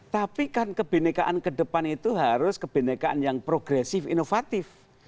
tapi kan kebenekaan ke depan itu harus kebenekaan yang progresif inovatif